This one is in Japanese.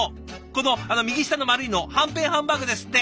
この右下の丸いのはんぺんハンバーグですって。